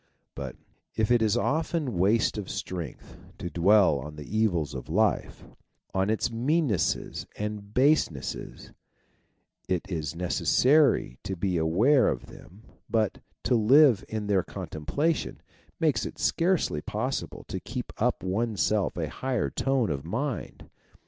But if it is often waste of strength to dwell on the evils of life, it is worse than waste to dwell habitually on its mean nesses and basenesses. It is necessary to be aware of them; but to live in their contemplation makes it scarcely possible to keep up in oneself a high tone of mind.